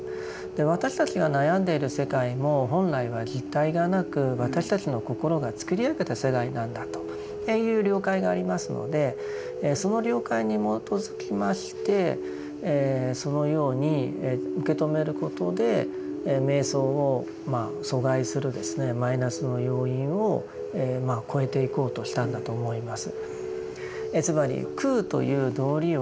私たちが悩んでいる世界も本来は実体がなく私たちの心が作り上げた世界なんだという了解がありますのでその了解に基づきましてそのように受け止めることで瞑想をまあ阻害するマイナスの要因を越えていこうとしたんだと思います。